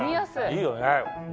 いいよね。